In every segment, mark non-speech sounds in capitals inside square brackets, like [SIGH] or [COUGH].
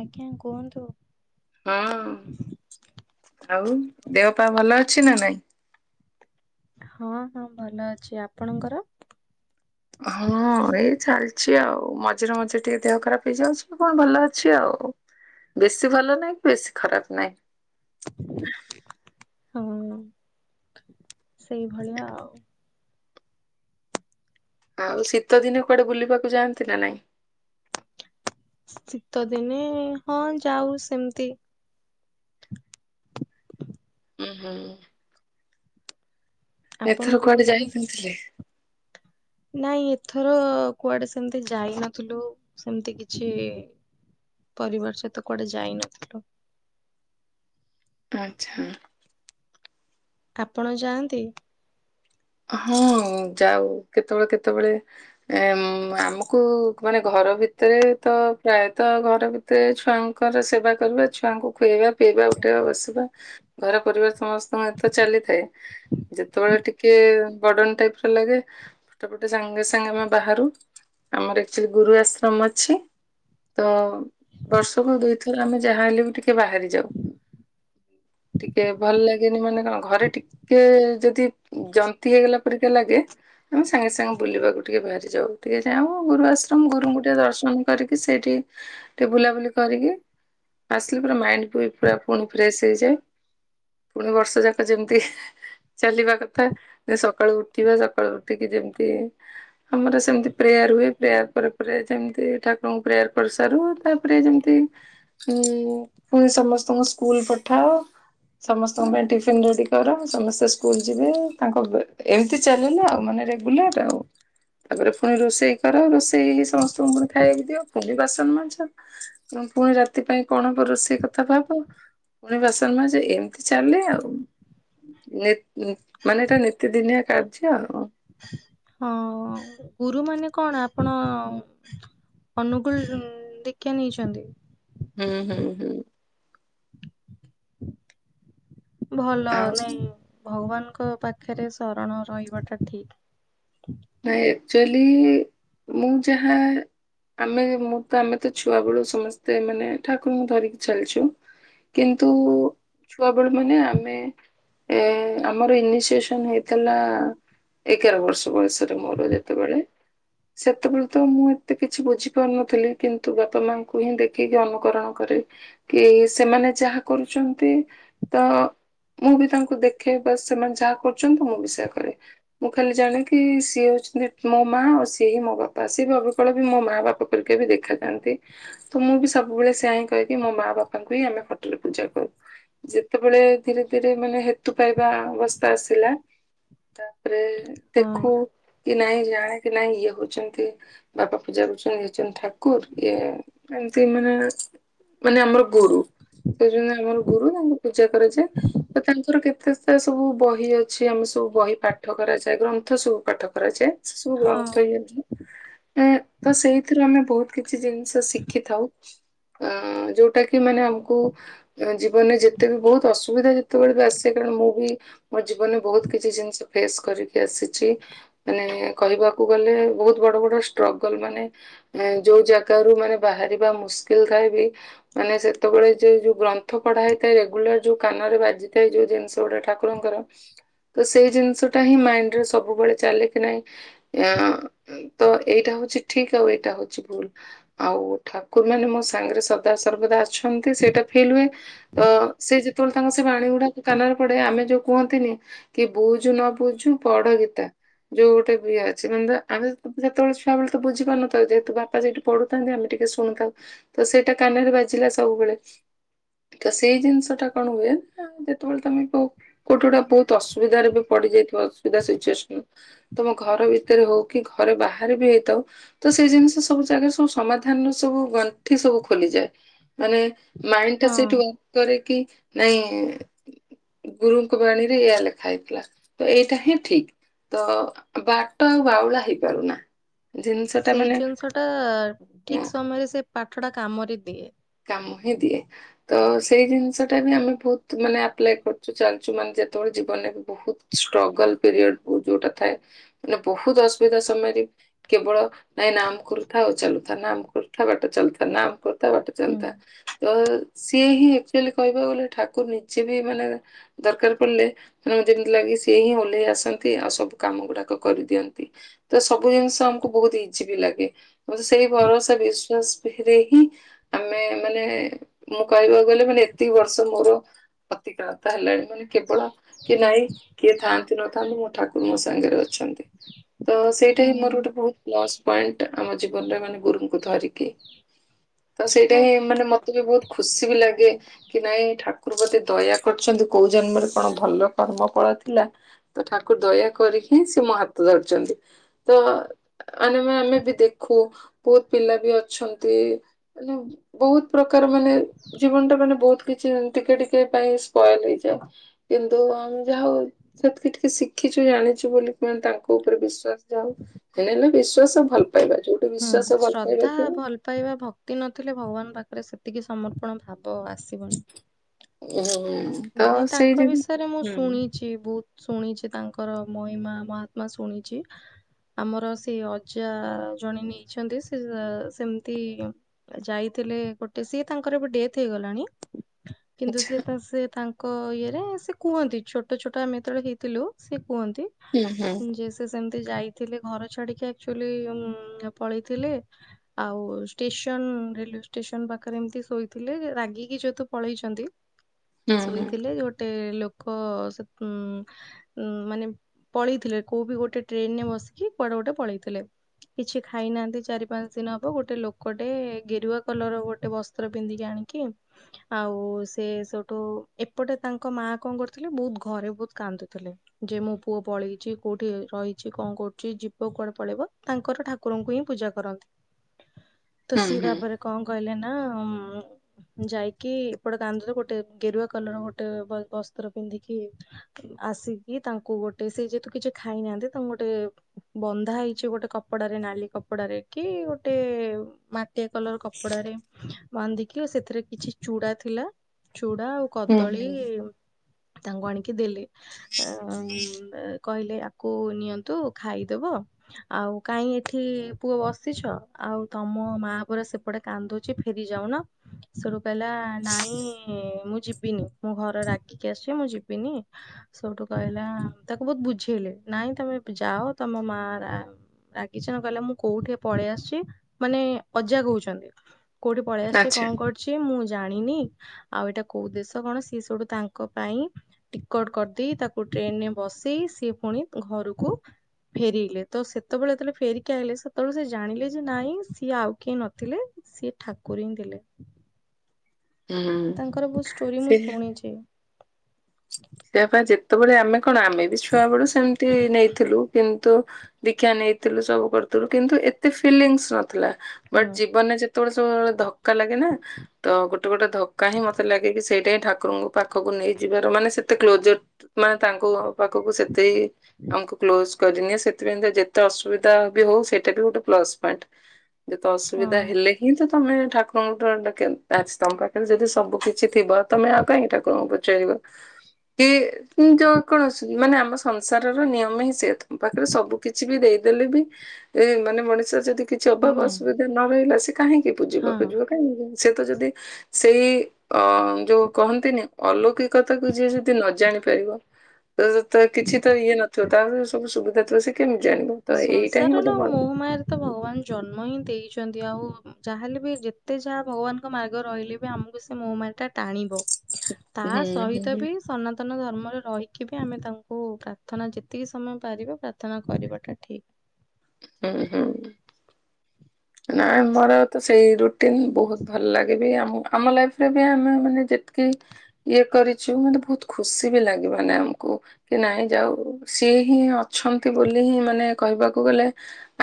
ଆଜ୍ଞା କୁହନ୍ତୁ? ହଁ ଆଉ ଦେହପା ଭଲ ଅଛି ନା ନାଇଁ? ହଁ ହଁ ଭଲ ଅଛି ଆପଣଙ୍କର? ହଁ ଏଇ ଚାଲିଛି ଆଉ ମଝିରେ ମଝିରେ ଟିକେ ଦେହ ଖରାପ ହେଇଯାଉଛି କଣ ଭଲ ଅଛି ଆଉ। ବେଶୀ ଭଲ ନାଇଁ କି ବେଶୀ ଖରାପ୍ ନାଇଁ। ହଁ ସେଇଭଳିଆ ଆଉ। ଆଉ ଶୀତ ଦିନେ କୁଆଡ଼େ ବୁଲିବାକୁ ଯାଆନ୍ତି ନା ନାଇଁ? ଶୀତ ଦିନେ ହଁ ଯାଉ ସେମିତି ଉଁ ହୁଁ। ଏଥର ଆପଣଙ୍କୁ କୁଆଡ଼େ ଯାଇ ବୁଲାବୁଲି କିିଣିଥିଲେ। ନାଇଁ ଏଥର କୁଆଡ଼େ ସେମତି ଯାଇନଥିଲୁ ସେମିତି କିଛି ପରିବାର ସହିତ କୁଆଡ଼େ ଯାଇନଥିଲୁ। ଆଚ୍ଛା। ଆପଣ ଯାଆନ୍ତି? ହଁ ଯାଉ କେତେବେଳେ କେତେବେଳେ? ଆମ୍ ଆମକୁ କଣ ଘର ଭିତରେ ତ ପ୍ରାୟତଃ ଘର ଭି ତେ ଛୁଆଙ୍କର ସେବା କରିବା ଛୁଆଙ୍କୁ ଖୁଏଇବା ପିଇବା ଉଠେଇବା ବସିବା ଘର ପରିବାର ସମସ୍ତଙ୍କ ଏ ତ ଚାଲିଥାଏ ଯେତେବେଳେ ଟି କେ ବଡ଼ନ୍ ଟାଇପ୍ ର ଲାଗେ। [UNINTELLIGIBLE] ସାଙ୍ଗେ ସାଙ୍ଗେ ଆମେ ବାହାରୁ ଆମର ଏକ୍ଟୁଆଲୀ ଗୁରୁ ଆଶ୍ରମ ଅଛି। ତ ବର୍ଷକୁ ଦୁଇଥର ଆମେ ଯାହା ହେଲେ ବି ଟିକେ ବାହାରି ଯାଉ। ଟିକେ ଭଲ ଲାଗେନି ମାନେ କଣ ଘରେ ଟିକେ ଯଦି ଜନ୍ତି ହେଇଗଲା ପରିକା ଲାଗେ। ଆମେ ସାଙ୍ଗେ ସାଙ୍ଗେ ବୁଲିବାକୁ ଟିକେ ବାହାରି ଯାଉ ଟିକେ ଯାଉ ଗୁରୁ ଆଶ୍ରମ ଗୁରୁଙ୍କୁ ଟିକେ ଦର୍ଶନ କରିକି ସେଇଠି ଟିକେ ବୁଲାବୁଲି କରିକି ଆସିଲେ ପୁରା ମାଇଣ୍ଡ [UNINTELLIGIBLE] ପୁରା ପୁଣି ଫ୍ରେଶ ହେଇଯାଏ। ପୁଣି ବର୍ଷ ଯାକ ଯେମିତି ଚାଲିବା କ ଥା ଜଉ ସକାଳୁ ଉଠିବା ସକାଳୁ ଉଠିକି ଯେମିତି ଆମର ସେମିତି ପ୍ରେୟାର ହୁଏ ପ୍ରେୟାର ପରେ ପରେ ଯେମିତି ଠାକୁରଙ୍କୁ ପ୍ରେୟାର କରିସାରୁ ତା ରେ ଯେମତି ଉ ପୁଣି ସମସ୍ତଙ୍କୁ ସ୍କୁଲ ପଠାହବ। ସମସ୍ତଙ୍କ ପାଇଁ ଟିଫିିନ୍ ରେଡି କର ସମସ୍ତେ ସ୍କୁଲ୍ ଯିବେ। ତାଙ୍କପାଇଁ ଏମତି ଚାଲିଲା ଆଉ ମାନେ ରେଗୁଲାର ଆଉ ତାପରେ ପୁଣି ରୋଷେଇ କର ରୋଷେ ସେଇ ସମସ୍ତଙ୍କ ଖାଇବାକୁ ଦିଅ ଫୁଣି ବାସନ ମାଜ ପୁଣି ରାତି ପାଇଁ କଣ ହବ ରୋଷେଇ କଥା ଭାବ ପୁଣି ବାସନ ମାଜ ଯେ ଏମିତି ଚାଲେ ଆଉ ମାନେ ଏଇଟା ନିତିଦିନିଆ କାର୍ଯ୍ୟ ଆଉ ହଁ ଗୁରୁ ମାନେ କଣ ଆପଣ ଅନୁକୁଳ ଦେଖିଆ ନେଇଛନ୍ତି ହୁଁ ହୁଁ ହୁଁ ଭଲ ଆଉ ନାଇଁ ଭଗବାନଙ୍କ ପାଖରେ ଶରଣ ରହିବା ଟା ଠିକ ନା ଏକ୍ଛୁଆଲି ମୁଁ ଯାହା ଆମେ ମୁଁ ତ ଆମେ ତ ଛୁଆ ବେଳୁ ସମସ୍ତେ ମାନେ ଠାକୁରଙ୍କୁ ଧରିକି ଚାଲିଛୁ କିନ୍ତୁ ଛୁଆବେଳୁ ମାନେ ଆମେ ଏ ଆମର ଇନିସିଏସନ ହେଇଥିଲା ଏଗାର ବର୍ଷ ବୟସରେ ମୋର ଯେତେବେଳେ ସେତେବେଳେ ତ ମୁଁ ଏତେ କିଛି ବୁଝିପାରୁନଥିଲି କିନ୍ତୁ ବାପା ମାଙ୍କୁ ହିଁ ଦେଖିକି ଅନୁକରଣ କରେ କି ସେମାନେ ଯାହା କରୁଛନ୍ତି ତ ମୁଁ ବି ତାଙ୍କୁ ଦେଖେ ବା ସେମାନେ ଯାହା କରୁଛନ୍ତି ମୁଁ ବି ସେୟା କରେ ମୁଁ ଖାଲି ଜାଣେ କି ସିଏ ହଉଛନ୍ତି ମୋ ମା ଆଉ ସିଏ ହିଁ ମୋ ବାପା ଆ ସେ ଅବିକଳ ବି ମୋ ମା ବାପା କରିକା ବି ଦେଖାଯାଆନ୍ତି ତ ମୁଁ ବି ସବୁବେଳେ ସେଆ ହିଁ କହିକି ମୋ ମା ବାପାଙ୍କୁ ହିଁ ଆମେ ଫଟୋରେ ପୂଜା କରୁ ଯେତେବେଳେ ଧୀରେ ଧୀରେ ମାନେ ହେତୁ ପାଇବା ଅବସ୍ଥା ଆସିଲା ତାପରେ ହଁ ଦେଖୁ କି ନାଇଁ ଜାଣେ କି ନାଇଁ ଇଏ ହଉଛନ୍ତି ବାପା ପୂଜା କରୁଛନ୍ତି ହେଉଛନ୍ତି ଠାକୁରୁ ଇଏ ଏମିତି ମାନେ ମାନେ ଆମର ଗୁରୁ ସେ ଜଣେ ଆମର ଗୁରୁ ତାଙ୍କୁ ପୂଜା କରାଯାଏ ତ ତାଙ୍କର କେତେ ସବୁ ବହି ଅଛି ଆମେ ସବୁ ବହି ପାଠ କରାଯାଏ ଗ୍ରନ୍ଥ ସବୁ ପାଠକରାଯାଏ ସେ ସବୁ ହଁ ବହୁନ୍ତ [INAUDIBLE] ହେଇନ୍ତି ଏ ତ ସେଇଥିରୁ ଆମେ ବହୁତ କିଛି ଜିନିଷ ଶିଖିଥାଉ ଅ ଯୋଉଟା କି ମାନେ ଆମକୁ ଜୀବନରେ ଯେତେ ବି ବହୁତ ଅସୁବିଧା ଯେତେବେଳେ ବି ଆସେ କାରଣ ମୁଁ ବି ମୋ ଜୀବନରେ ବହୁତ କିଛି ଜିନିଷ ଫେସ୍ କରିକି ଆସିଛି ମାନେ କହିବାକୁ ଗଲେ ବହୁତ ବଡ ବଡ ଷ୍ଟ୍ରଗଲ ମାନେ ଯୋଉ ଜାଗାରୁ ମାନେ ବାହାରିବା ମୁସ୍କିଲ୍ ଥାଏ ବି, ମାନେ ସେତେବେଳେ ଯେ ଯୋଉ ଗ୍ରନ୍ଥ ପଢା ହେଇଥାଏ ରେଗୁଲାର ଯୋଉ କାନ ରେ ବାଜି ଥାଏ ଯୋଉ ଜିନିଷ ବଡ଼ଠାକୁରଙ୍କର ତ ସିଏ ଜିନିଷଟା ହିଁ ମାଇଣ୍ଡ ରେ ସବୁବେଳେ ଚାଲେ କି ନାଇଁ ତ ଏଇଟା ହଉଛି ଠିକ ଆଉ ଏଇଟା ହଉଛି ଭୁଲ୍ ଆଉ ଠାକୁର ମାନେ ମୋ ସାଙ୍ଗରେ ସଦା ସର୍ବଦା ଅଛନ୍ତି ସେଇଟା ଫିଲ୍ ହୁଏ। ତ ସେ ଯେତେବେଳେ ତାଙ୍କ ସେ ବାଣୀ ଗୁଡାକ କାନରେ ପଡେ ଆମେ ଯୋଉ କୁହନ୍ତିନି। କି ବୁଝୁ ନ ବୁଝୁ ପଢ ଗୀତା, ଯୋଉ ଟା ଏଇ ଅଛି ମାନେ ଆମେ ତ ସେତେବେଳେ ଛୁଆ ବେଳୁ ତ ବୁଝିପାରୁନଥାଉ ଯେହେତୁ ବାପା ସେଠୁ ପଢୁଥାନ୍ତି ଆମେ ଟିକେ ଶୁଣୁଥାଉ ତ ସେଇଟା କାନରେ ବାଜିଲା ସବୁବେଳେ। ତ ସେଇ ଜିନିଷ ଟା କଣ ହୁଏ ନା ଯେତେବେଳେ ତମେ କହୁ କୋଉଟି ଗୋଟେ ବହୁତ ଅସୁବିଧାରେ ବି ପଡିଯାଇଥିବ ଅସୁବିଧା ସିଚୁସନ ତମ ଘର ଭିତରେ ହଉ କି ଘରେ ବାହାରେ ବି ହେଇଥାଉ ତ ସେଇ ଜିନିଷ ସବୁ ଜାଗାରେ ସବୁ ସମାଧାନର ସବୁ ଗଣ୍ଠି ସବୁ ଖୋଲିଯାଏ ମାନେ ମାଇଁଡି ଟା ହଁ। ସେଇଠୁ ୱାର୍କ କରେ କି ନାଇଁ, ଗୁରୁଙ୍କ ବାଣୀରେ ଏହା ଲେଖା ହେଇଥିଲା ଏଇଟା ହିଁ ଠିକ, ତ ବାଟ ଆଉ ବାଉଳା ହେଇପାରୁନା। ଜିନିଷ ଟା ସେଇ ମାନେ ଜିନିଷଟା ଠିକ୍ ସମୟରେ ସେ ପାଠ ଟା କାମରେ ଦିଏ। କାମ ହିଁ ଦିଏ। ତ ସେଇ ଜିନିଷଟା ବି ଆମେ ବହୁତ୍ ମାନେ ଆପ୍ଲାଏ କରୁଛୁ ଚାଲ୍ ଛୁ ମାନେ ଯେତେବେଳେ ଜୀବନରେ ବି ବହୁତ୍ ଷ୍ଟ୍ରଗଲ୍ ପିରିୟଡ କୁ ଯୋଉଟା ଥାଏ ମାନେ ବହୁତ୍ ଅସୁବିଧା ସମୟରେ କେବଳ ନାଇଁ ନାମ୍ କରୁଥାଅ ଚାଲୁଥାଅ ନାମ୍ କରୁଥାଅ ବାଟ ଚାହୁଥାଅ ନାମ୍ କରୁଥାଅ ବାଟ ହୁଁ ଚାଲୁଥା ତ ସିଏ ହିଁ ଆକ୍ଖୁଆଲି କହିବାକୁ ଗଲେ ଠାକୁ ନିଜେ ବି ମାନେ ଦରକାର୍ ପଡ଼ିଲେ ଉଁ ଯେମିତି ଲାଗେ ସିଏ ହିଁ ଓହ୍ଲେଇ ଆସନ୍ତି ଆଉ ସବୁ କାମ ଗୁଡାକ କରିଦିଅନ୍ତି। ତ ସବୁ ଜିନିଷ ଆମ୍ କୁ ବହୁତ୍ ଇଜି ବି ଲାଗେ ମତେ ସେଇ ଭରସା ବିଶ୍ଵାସ ପାଖେରେ ହିଁ ଆମେ ମାନେ ମୁଁ କହିବାକୁ ଗଲେ ମାନେ ଏତିକି ବର୍ଷ ମୋର ପ୍ରତିକ୍ରୟତା ହେଲାଣି। ମାନେ କେବଳ କି ନାଇଁ କିଏ ଥାଆନ୍ତୁ ନଥାନ୍ତି ମୋ ଠାକୁର୍ ମୋ ସାଙ୍ଗେରେ ଅଛନ୍ତି। ତ ସେଇଟା ହୁଁ ହିଁ ମୋର ଗୋଟେ ବହୁତ୍ ପ୍ଲସ୍ ପଏଣ୍ଟ୍ ଆମ ଜୀବନରେ ମାନେ ଗୁରୁଙ୍କୁ ଧରିକି। ତ ସେଇଟା ହୁଁ ହିଁ ମାନେ ମତେ ବି ବହୁତ୍ ଖୁସି ବି ଲାଗେ କି ନାଇଁ ଠାକୁର୍ ବତେ ଦୟା କରଛନ୍ତି କୋଉ ଜନ୍ମରେ କଣ ଭଲ କର୍ମ ଫଳ ଥିଲା ତ ଠାକୁ ଦୟା କରିକି ହିଁ ସେ ମୋ ହାତ ଧରିଛନ୍ତି ତ ଆରେ ମା ଆମେ ବି ଦେଖୁ ବହୁତ୍ ପିଲା ବି ଅଛନ୍ତି ମାନେ ବହୁତ୍ ପ୍ରକାର ମାନେ ଜୀବନ୍ ଟା ମାନେ ବହୁତ୍ କିଛି ଏମି ଟିକେ ଟି କେ ପାଇଁ ସ୍ପଏଲ୍ ହେଇଯାଏ କିନ୍ତୁ ଆମ୍ ଯାହା ହଉ ସେଥିକି ଟିକେ ଶିଖିଛୁ ଜାଣିଚୁ ବୋଲିେ ମାନେ ତାଙ୍କ ଉପରେ ବିଶ୍ୱାସ ଯାଉ ହେଲେ ବି ବିଶ୍ଵାସ ଭଲ୍ ପାଇବା ଯୋଉ ହୁଁ ଶ୍ରଦ୍ଧା ଭଲ୍ ପାଇବା ଭକ୍ତି ନଥିଲେ ଭଗବାନ ପାଖରେ ସେତିକି ସମର୍ପଣ ଭାବ ଆସିବନି। ଓୁଁ [UNINTELLIGIBLE] ନାଇଁ ତାଙ୍କ ବିଷୟରେ ମୁଁ ଶୁଣି ଛି ବହୁତ୍ ଶୁଣିଛି ତାଙ୍କର ମହିମା ମହାତ୍ମା ଶୁଣିଚି। ଆମର ସେ ଅଜା ଜଣେ ନେଇଛନ୍ତି ସେ ସେମ୍ ତି ଯାଇଥିଲେ ଗୋଟେ ସିଏ ତାଙ୍କର ଏବେ ଡେଥ୍ ହେଇଗଲାଣି କିନ୍ତୁ ଆଚ୍ଛା ସିଏ ତା ସେ ତାଙ୍କ ଇଏରେ ସେ କୁହନ୍ତି ଛୋଟ ଛୋଟ ଆମେ ଯେତେବେଳେ ହେଇଥିଲୁ ସେ କୁହନ୍ତି ହୁଁ ହୁଁ। ଯେ ସେ ସେମତି ଯାଇଥିଲେ ଘର ଛାଡିକି ଆକ୍ଚୁଆଲି ଉଁ ପଳେଇଥିଲେ ଆଉ ଷ୍ଟେସନ୍ ରେଲ୍ ୱେ ଷ୍ଟେସନ୍ ପାଖରେ ଏମତି ଶୋଇଥିଲେ ରାଗିକି ସେହେତୁ ପଳେଇଛନ୍ତି ହୁଁ ହୁଁ ଶୋଇଥିଲେ ଗୋଟେ ଲୋକ ସେ ଉଁ ଉଁ ମାନେ ପଳେଇଥିଲେ କୋଉ ବି ଗୋଟେ ଟ୍ରେନ୍ ରେ ବସିକି କୁଆଡେ ଗୋଟେ ପଳେଇଥିଲେ। କିଛି ଖାଇନାହାନ୍ତି ଚାରି ପାଞ୍ଚ୍ ଦିନି ହବ ଗୋଟେ ଲୋକଟେ ଗେରୁଆ କଲର ର ଗୋଟେ ବସ୍ ସ୍ତର ପିନ୍ଧିକି ଆଣିକି ଆଉ ସେ ସୋ ତ ଏପଟେ ତାଙ୍କ ମା କଁ କରୁଥିଲେ ବହୁତ୍ ଘରେ ବହୁତ୍ କାନ୍ଦୁଥିଲେ ଯେ ମୋ ପୁଅ ପଳେଇଚି କୋଉଠି ରହିଛି କଣ କରୁଚି ଯିବ କୁଆଡେ ପଳେଇବ ତାଙ୍କର ଠା କୁର ଙ୍କୁ ହିଁ ପୂଜା କରନ୍ତି। [INAUDIBLE] ତ ସିଏ ତାପରେ କଣ କହିଲେ ନା ଯାଇକି ଏପଟେ କାନ୍ଦ ଗୋ ଟେ ଗେରୁଆ କଲର ଗୋଟେ ବ ବସ୍ତ୍ର ପିନ୍ଧିକି ଆସିକି ତାଙ୍କୁ ଗୋଟେ ସେ ଯେହେତୁ କିଛି ଖାଇନାହାନ୍ତି ତାଙ୍କୁ ଗୋଟେ ବନ୍ଧା ହେଇଛି ଗୋଟେ କପଡାରେ ନାଲି କପଡାରେ କି ଗୋଟେ ମାଟିଆ କଲର କପଡାରେରେ ବାନ୍ଧିକି ସେଥିରେ କିଛି ଚୁଡା ଥିଲା। ଚୁଡ଼ା ଆଉ ହୁଁ କଦଳୀ ହୁଁ ତାଙ୍କୁ ଆଣିକି ଦେଲେ। ଅଁ ଉଁ ଅ କହିଲେ ଆକୁ ନିଅନ୍ତୁ ଖାଇଦବ। ଆଉ କାଇଁ ଏଠି ପୁଅ ବସିଛ ଆଉ ତମ ମା ପରା ସେ ପଟେ କାନ୍ଦୁଚି ଫେରି ଯାଉନ ସେଠୁ କହିଲା ନାଇଁ ଇଁ ମୁଁ ଯିବିନି ମୁଁ ଘରେ ରାଗିକି ଆସିିଚି ମୁଁ ଯିବିନି। ସଉଠୁ କହିଲା ତାକୁ ବୋହୁତ ବୁଝେଇଲେ ନାଇଁ ତମେ ଯାଅ ତମ ମା ରା ଆଗିଚ କହିଲା ମୁଁ କୋଉଠେ ପଳେଇ ଆସିଚି ମାନେ ଅଜା କୋହୁଚନ୍ତି। କୋଉଠି ପଳେଇ ଆସିଚି ଆଚ୍ଛା କଣ କରିଚି ମୁଁ ଜାଣିନି। ଆଉ ଏଟା କୋଉ ଦେଶ କଣ ସିଏ ସେଉଠୁ ତାଙ୍କ ପାଇଁ ଟିକଟ କରିଦେଇ ତାକୁ ଟ୍ରେନରେ ବସେଇ ସିଏ ପୁଣି ଘରୁକୁ ଫେରିଲେ ତ ସେତବେଳେ ଯେତଳେ ଫେରିକି ଆଇଲେ ସେତବେଳେ ସେ ଜାଣିଲେ ଯେ ନାଇଁ ସିଏ ଆଉ କିଏ ନଥିଲେ ସିଏ ଠାକୁର ହିଁ ଥିଲେ। ହୁଁ। ତାଙ୍କର ବୋହୁ ଷ୍ଟୋରି ମୁଁ ସେ ଶୁଣିଚି। ତେ ପାଇଁ ଯେତୋବେଳେ ଆମେ କଣ ଆମେ ବି ଛୁଆ ବେଳୁ ସେମିତି ନେଇଥିଲୁ କିନ୍ତୁ ଦୀକ୍ଷା ନେଇଥିଲୁ ସବୁ କରୁଥିଲୁ କିନ୍ତୁ ଏତେ ଫିଲିଙ୍ଗସ୍ ନଥିଲା ହୁଁ ବଟ୍ ଜୀବନରେ ଯେ ତୋଳେ ସବୁ ଧକ୍କା ଲାଗେ ନା ତ ଗୋଟେ ଗୋଟେ ଧକ୍କା ହିଁ ମତେ ଲାଗେ କି ସେଇଟା ହିଁ ଠାକୁରଙ୍କ ପାଖକୁ ନେଇଯିବାର ମାନେ ସେ ତେ କ୍ଲୋଜର ମାନେ ତାଙ୍କ ପାଖକୁ ସେତେ ଆମକୁ କ୍ଲୋଜ କରିନିଏ ସେଥିପାଇଁ ତ ଯେତେ ଅସୁବିଧା ବି ହଉ ସେଇଟା ବି ଗୋଟେ ପ୍ଲସ ପଏଣ୍ଟ। ଯେତେ ହଁ ଅସୁବିଧା ହେଲେ ହିଁ ତ ତମେ ଠାକୁରଙ୍କ ଡ ଡକେ ଆଚ୍ ତମ ପାଖରେ ଯଦି ସବୁ କି ଛି ଥିବ ତମେ ଆଉ କାଇଁ ଠାକୁରଙ୍କୁ ପଚାରିବ କି ଯୋଉ କୌଣସି ମାନେ ଆମ ସଂସାରର ନିୟମ ହିଁ ସେ ତମ ପାଖରେ ସବୁ କିିଛି ବି ଦେଇଦେଲେ ବି ଏ ମାନେ ମଣିଷ ଯଦି କି ଛିଃ ଅଭାବ ନାଇଁ ଅସୁବିଧା ନ ରହିଲା ସେ କାହିଁକି ହଁ। ବୁଝିବାକୁ ଯିବ? ଏ ସେ ତ ଯଦି ସେଇ ଅ ଯୋଉ କହନ୍ତିନି ଅଲୌକିକତାକୁ ଯିଏ ଯ ତି ନ ଜାଣି ପାରିବ ତ ତ କିଛି ତ ଇଏ ନଥିବ ତାର ସବୁ ସୁବିଧା ଥିବ ସେ କେମି ଜାଣିବ? ତ ଏଇଟା ହିଁ ସଂସାର ନ ଗୋଟେ ବଡ ମୋହ ମାୟାରେ ତ ଭଗବାନ ଜନ୍ମ ହିଁ ଦେଇଚନ୍ତି ଆଉ ଯାହାେଲେ ବି ଯେତେ ଯାହା ଭଗବାନଙ୍କ ମାର୍ଗ ରହିଲେ ବି ଆମୁ ଉ ସେ ମୋହ ମାୟାଟା ଟାଣିବ ତା ହୁଁ ସହିତ ହୁଁ ବି ସନାତନ ଧର୍ମରେ ରହିକି ବି ଆମେ ତାଙ୍କୁ ପ୍ରାର୍ଥନା ଯେତିକି ସମୟ ପାରିବା ପ୍ରାର୍ଥନା କରିବାଟା ଠି ହୁଁ ହୁଁ। ନାଁ ମୋର ତ ସେଇ ରୁଟିନ ବୋହୁତ ଭଲ ଲାଗେ ବିି ଆମ ଆମ ଲାଇଫ୍ ରେ ବି ଆମେ ମାନେ ଯେତିକି ଇଏ କରିଚୁ ମତେ ବହୁତ ଖୁସି ବି ଲାଗେ ମାନେ ଆମକୁ କି ନାଇଁ ଯାଉ ସିଏ ହିଁ ଅଛନ୍ତି ବୋଲି ହିଁ ମାନେ କହିବାକୁ ଗଲେ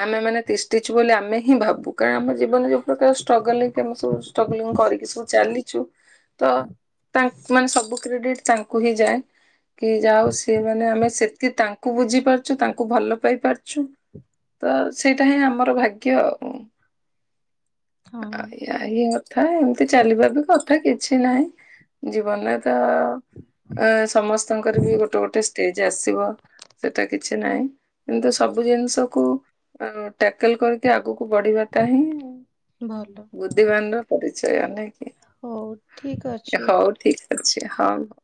ଆମେ ମାନେ ତିଷ୍ଟିଚୁ ବୋଲି ଆମେ ହିଁ ଭାବୁ କାରଣ ଆମ ଜୀବନରେ ଯୋଉ ପ୍ରକାର ଷ୍ଟ୍ରଗଲ୍ ହେଇକି ଆମେ ସବୁ ଷ୍ଟ୍ରଗଲିଙ୍ଗ କରିକି ସବୁ ଚାଲିଚୁ ତ ତାଙ୍କ୍ ମାନେ ସବୁ କ୍ରେଡିଟ୍ ତାଙ୍କୁ ହିଁ ଯାଏ। କି ଯା ହୋଉ ସିଏ ମାନେ ଆମେ ସେତକି ତାଙ୍କୁ ବୁଝି ପାରୁଚୁ ତାଙ୍କୁ ଭଲ ପାଇ ପାର୍ ଚୁ ତ ସେଇଟା ହିଁ ଆମର ଭାଗ୍ୟ। ଆଉ ହଁ। ଆ ଇ ଅଥା ଏମତି ଚାଲିବା ବି କଥା କିଛି ନାହିଁ ଜୀବନ ତ ଅ ସମସ୍ତଙ୍କର ବି ଗୋଟେ ଗୋଟେ ଷ୍ଟେଜ ଆସିବ। ସେଟା କିଛି ନାହିଁ ଅନ୍ତୁ ସବୁ ଜିନିଷକୁ ଅ ଟ୍ୟାକେଲ କରିକି ଆଗୁ ବଢି଼ବାଟା ହିଁ ଭଲ ବୁଦ୍ଧିମାନର ପରିଚୟ, ନାଇଁ? କି? ହଉ ଠିକ୍ ଅଛି। ଆଛା ହଉ।